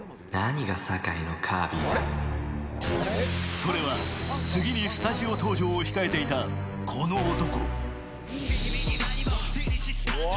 それは、次にスタジオ登場を控えていたこの男。